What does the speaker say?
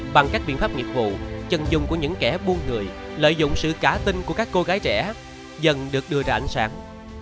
bằng các biện pháp nghiệp vụ chân dung của những kẻ buôn người lợi dụng sự cả tinh của các cô gái trẻ dần được đưa ra ánh sáng